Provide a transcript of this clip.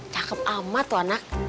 cakep amat tuh anak